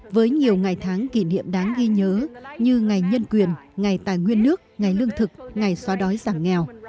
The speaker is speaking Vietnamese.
với nhiều ngày tháng kỷ niệm đáng ghi nhớ như ngày nhân quyền ngày tài nguyên nước ngày lương thực ngày xóa đói giảm nghèo